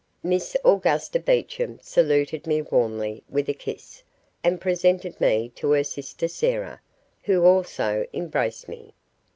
Miss Augusta Beecham saluted me warmly with a kiss, and presented me to her sister Sarah, who also embraced me.